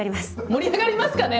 盛り上がりますかね？